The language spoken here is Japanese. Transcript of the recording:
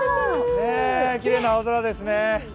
きれいな青空ですね。